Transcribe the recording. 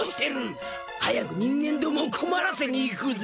早く人間どもをこまらせに行くぜ。